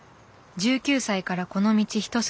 １９歳からこの道一筋。